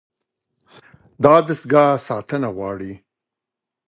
دا دستګاه ساتنه غواړي.